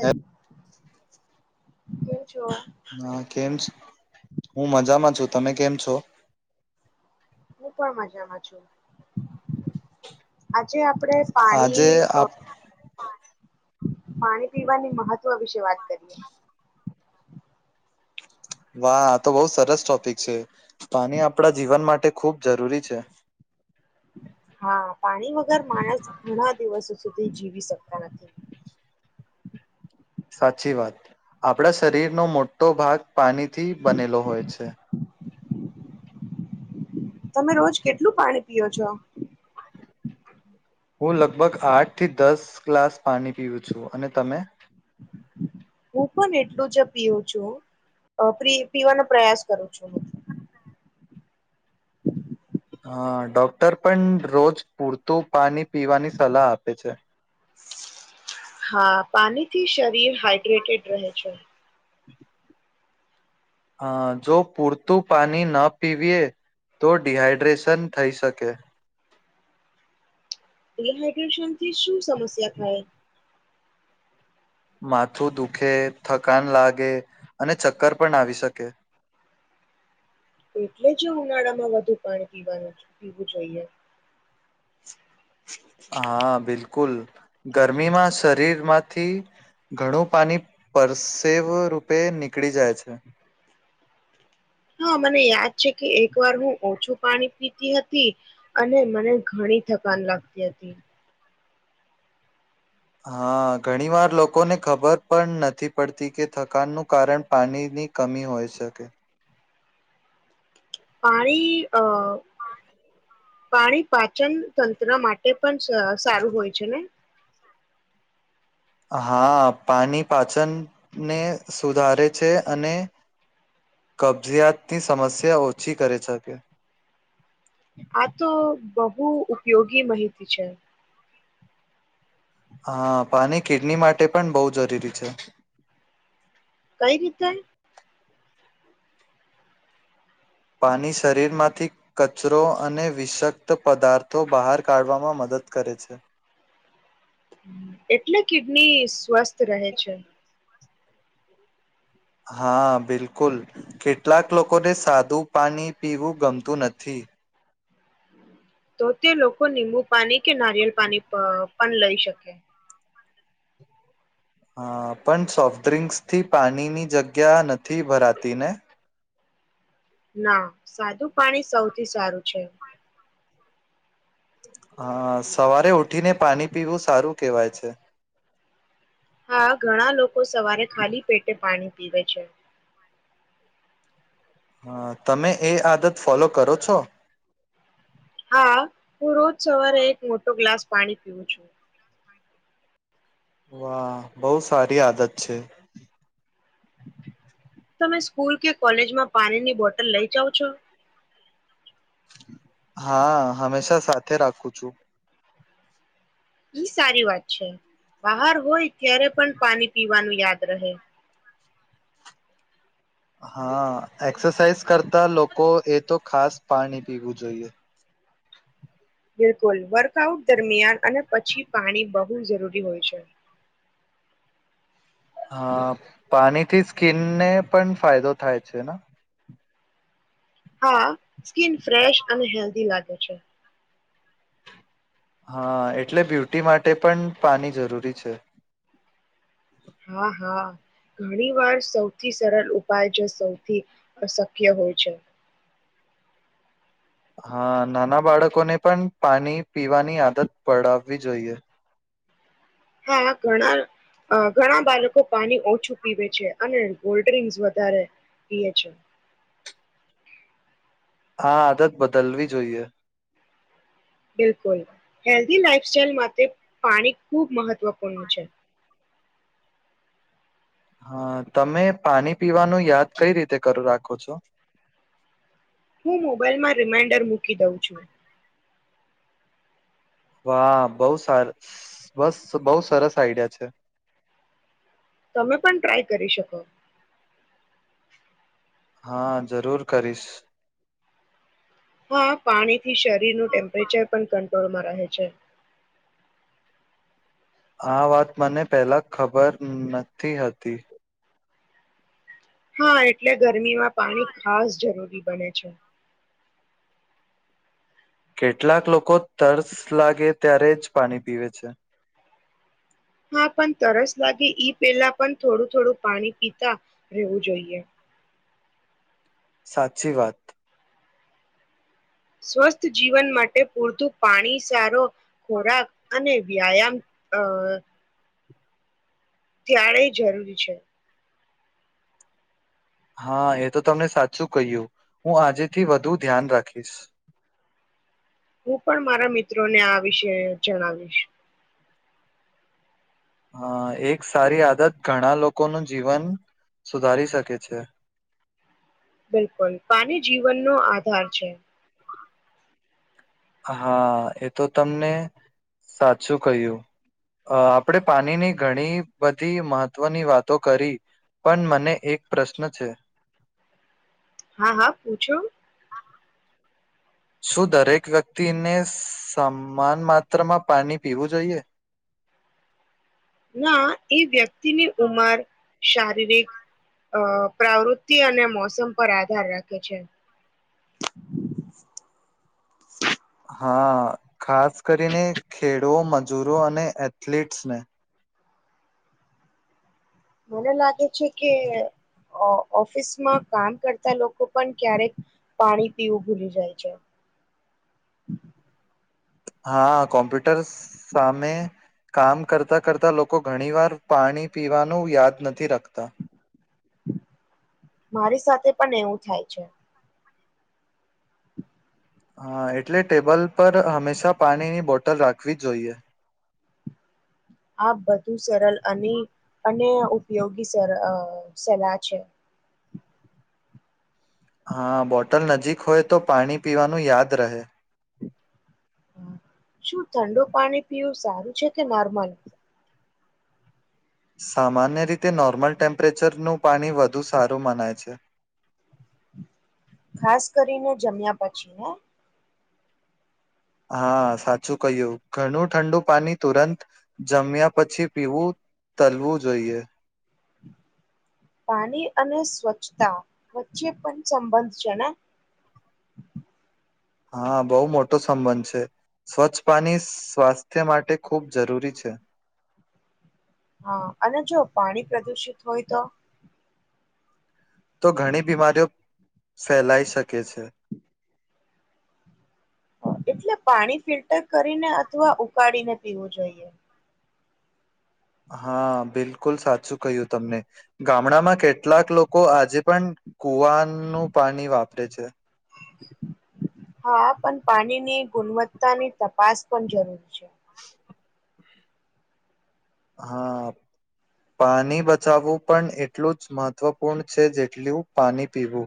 હ કેમ છો? હ કેમ છો હું મજામાં છું તમે કેમ છો હું પણ મજામાં છું આજે આ આજે આપ પાણી પીવાની મહત્વ વિશે વાત ક વાહ તો બઉુ સરસ ટોપિક છે પાણી આપણા જીવન માટે ખૂબ જરૂરી છે હા, પાણી વગર માણસ ઘણા દિવસો સુધી જીવી શકતા નથી. સાચી વાત આપણા શરીરનો મોટો ભાગ પાણીથી બનેલો હોય છે તમે રોજ કેટલું પાણી પીઓ છો હું લગભગ આઠ થી દસ ગ્લાસ પાણી પીવું છું અને તમે હું પણ એટલું જ પીવું છું પીવાનો પ્રયાસ કરું છું હા ડોક્ટર પણ રોજ પૂરતું પાણી પીવાની સલાહ આપે છે હા પાણી થી શ ડીહડ્રેટેડ રહે છે હ જો પૂરતું પાણી ન પીવીએ તો ડિહાઈડ્રેશન થઈ શકે ડી હાઈડ્રેશન થી શું સમસ્યા થાય માથું દુઃખે થકાન લાગે અને ચક્કર પણ આવી શકે એટલે જ ઉનાળામાં વધુ પાણી પીવાનું પીવું જોઈએ હા બિલકુલ કુલ ગરમીમાં શરીરમાંથી ઘણું પાણી પરસેવ રૂપે નીકળી જાય છે હા મને છે કે એક વાર હું ઓછું પાણી પીતી હતી અને મને ઘણી થકાન લાગતી હતી હા ઘણી વાર લોકોને ખબર પણ નથી પડતી કે થકાનનું કારણ પાણીની કમી હોય શકે પાણી અ હા પાણી પાચન તંત્ર માટે પણ સારું હોય છે ને હા પાણી પાચનને સુધારે છે અને કબજયાતની સમસ્યા ઓછી કરે શકે આ તો બહુ ઉપયોગી મહિતી છે હા પાણી કિડની માટે પણ બોહ જરૂરી છે કઈ રીતે પાણી શરીરમાંથી કચરો અને વિષક્ત પદાર્થો બહાર કાઢવામાં મદદ કરે છે એટલે કિડની સ્વસ્થ રહે છે હા બિલકુલ કેટલાક લોકોને સાદું પાણી પીવું ગમતું નથી તો તે લોકો નીંબુ પાણી કે નારિયેલ પાણી પ પણ લઈ શકે હા પણ સોફ્ટ ડ્રિંક્સ થી પાણીની જગ્યા નથી ભરાતી ને ના સાદું પાણી સૌથી સારું છે હા સવારે ઉઠીને પાણી પીવું સારું કેહેવાય છે હા ઘણા લોકો સવારે ખાલી પેટે પાણી પીવે છે હા તમે એ આદત ફોલો કરો છો હા હું રોજ સવારે એક મોટો ગ્લાસ પાણી પીવું છું વાહ બોહ સારી આદત છે તમે સ્કૂલ કે કોલેજમાં પાણીની બોટલ લઇ જાઓ છો હા હમેશા સાથે રાખું છું ઈ સારી વાત છે બહાર હોય ત્યારે પણ પાણી પીવાનું યાદ રહે હા એક્સરસાઇઝ કરતા લોકો એ તો ખાસ પાણી પીવું જોઈએ બિલકુલ વર્કઆઉટ દરમિયાન અને પછી પાણી બહુ જરૂરી હોય છે હા પાણીથી સ્કીિનને પણ ફાયદો થાય છેને હા સ્કીન ફ્રેશ અને હેલ્થ દી લાગે છે હા એટલે બ્યુટી માટે પણ પાણી જરૂરી છે હા હા ઘણી વાર સૌથી સરળ ઉપાય જો સૌથી શક્ય હોય છે હા નાના બાળકોને પણ પાણી પીવાની આદત પડાવવી જોઈએ હા ઘણા ઘણા બાળકો પાણી ઓછું પીવે છે અને ગલ્ડ ડ્રિન્કસ વધારે પીવે છે હા આદત બદલવી જોઈએ બિલકુલ હેલ્ધી લાઈફ સાઈલ માટે પાણી ખુબ મહત્વપૂર્ણ છે હા તમે પાણી પીવાનું યાદ કઈ રીતે કરું રાખો છો હું મોબાાઈલમાં રિમાઈન્ડર મૂકી દઉં છું વાહ બહ સાર બસ બહુ સરસ આઈડિયા છે તમે પણ ટ્રાય કરી શકો હા જરૂર કરીશ હા પાણી થી શરીર ન ટેમ્પરેચર પણ ક ડમાં રહે છે આ વાત મને પહેલા ખબર નથી હતી હા એટલે ઘર ગરમીમાં પાણી ખાસ જરૂરી બને છે કેટલાક લોકો તર્સ લાગે ત્યારે જ પાણી પીવે છે હા પણ તરસ લાગે ઈ પહેલા પણ થોડું થોડું પાણી પીતા રહેવું જોઈએ સાચી વાત. સ્વસ્થ જીવન માટે પૂરતું પાણી સારો, ખોરાક અને વ્યાયામ અ ત્યાણે જરૂરી છે. હા એ તો તમને સાચું કહ્યું, હું આજેથી વધુ ધ્યાન રાખીશ. હું પણ મારા મિત્રોને આ વિશે જણાવીશ. હ એક સારી આદત ઘણા લોકોનું જીવન સુધારી શકે છે. બિલકુલ પાની જીવનનો આધાર છે. હા એ તો તમને સાચું કહ્યું, આપણે પાણીની ઘણી બધી મહત્વની વાતો કરી, પણ મને એક પ્રશ્ન છે. હા હા પૂછો. શું દરેક વ્યક્તિને સમાન માત્રામાં પાણી પીવું જોઈએ? ના એ વ્યક્તિની ઉમર, શારીરિક, અ પ્રવૃત્તિ અને મોસમ પર આધાર રાખે છે. હા ખાસ કરીને ખેડો મજૂરો અને એથલટ્સને. મને લાગે છે કે ઓફિસમાં કામ કરતા લોકો પણ ક્યારેક, પાણી પીવું ભૂલી જાય છે. હા કોમ્પ્યુટર સામે કામ કરતા કરતા લોકો ઘણી વાર પાણી પીવાનું યાદ નથી રાખતા. મારી સાથે પણ એવું થાય છે. હા એટલે ટેબલ પર હંમેશા પાણીની બોટલ રાખવી જ જોઈએ. આ બધું સરલ અને અને ઉપયોગી સલાહ છે. હા બોટલ નજીક હોય તો પાણી પીવાનું યાદ રહે. શું ઠંડુ પાણી પીવું સારું છે કે નોર્મલ? સામાન્ય રીતે નોર્મલ ટેમ્પરેચરનું પાણી વધુ સારું મનાય છે. ખાસ કરીને જમ્યા પછી ને. હા સાચું કહ્યું ઘણું ઠંડુ પાણી તુરંત જમ્યા પછી પીવું તલવું જોઈએ. પાણી અને સ્વચ્છતા વચ્ચે પણ સંબંધ છે ને હા બહુ મોટો સંબંધ છે સ્વચ્છ પાણી સ્વાસ્થ્ય માટે ખૂબ જરૂરી છે હા અને જો પાણી પ્રદુષિત હોય તો તો ઘણી બીમારીઓ ફેલાઈ શકે છે એટલે પાણી ફિલ્ટર કરીને અથવા ઉકાળીને પીવું જોઈએ હા બિલકુલ સાચું કહ્યું તમને ગામડામાં કેટલાક લોકો આજે પણ કુવાનું પાણી વાપર લે છે હા પણ પાણીની ગુણવત્તાની તપાસ પણ જરૂરી છે હા પાણી બચાવવું પણ એટલું જ મહત્વપૂર્ણ છે જેટલું પાણી પીવું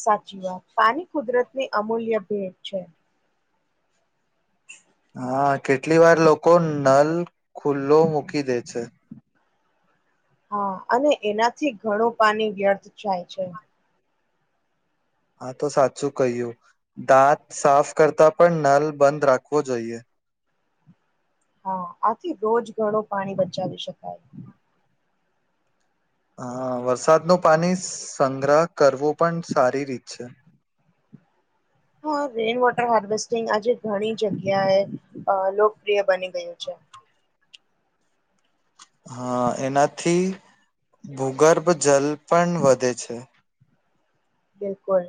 સાચી વાત પાની કુદરત ની અમૂલ્ય ભેટ છે હા કેટલી વાર લોકો નલ ખુલ્લો મૂકી દે છે હા અને એનાથી ઘણું પાની વ્યર્થ જાય છે આ તો સાચું કહ્યું દાંત સાફ કરતા પણ નલ બંધ રાખવો જોઈએ હા આથી રોજ ગળો પાણી બચાવી શકાય હ વરસાદનું પાણી સંગ્રહ કરવું પણ સારી રીત છે હા રેઇન વોટર હરવેસ્ટિંગ આજે ઘણી જગ્યા એ અ લોકપ્રિય બની ગયું છે હા એના થી ભૂગર્ભ જલ પણ વધે છે બિલકુલ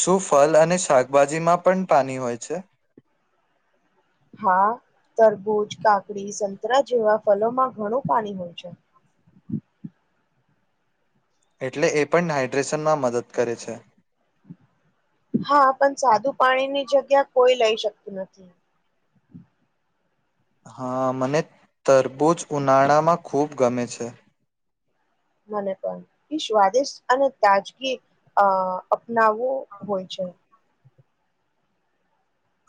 શું ફલ અને શાકભાજીમાં પણ પાની હોય છે હા તરબૂજ કાકડી સંતરા જેવા ફલોમાં ઘણું પાણી હોય છે એટલે એ પણ હાઇડ્રેશનમાં મદદ કરે છે હા પણ સાદુ પાણીની જગ્યા કોઈ લઈ શકતું નથી હા મને તરબૂજ ઉનાળામાં ખૂબ ગમે છે મને પણ એ સ્વાદિષ્ટ અને તાજગી અ અપનાવવો હોય છે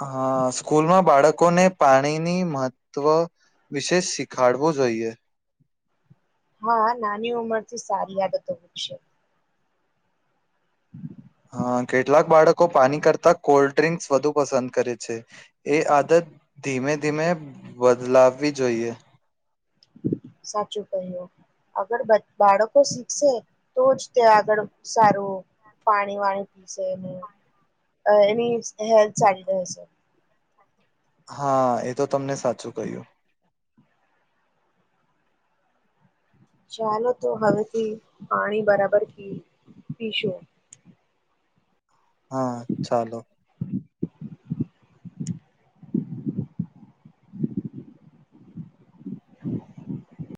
હા સ્કૂલમાં બાળક લોકોને પાણીની મહત્ત્વ વિશે શીખાડવું જોઈએ હા નાની ઉંમરથી સારી આદતો મૂકશે [inaudible] હા કેટલાક બાળકો પાણી કરતા કોલ્ડ ડ્રિંક્સ વધુ પસંદ કરે છે એ આદત ધીમે ધીમે બદલાવવી જોઈએ સાચું કહ્યું અગર બાળકો શીખશે તો જ તે આગળ સારું પાણી વાણી પીસે એની હેલ્થ સારી રહેશે હા એ તો તમને સાચું કહ્યું ચાલો તો હવેથી પાણી બરાબર પી પીશું હા ચાલો [inaudible]